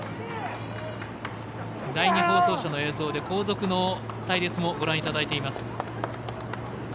第２放送車の映像で後続の隊列もご覧いただいています。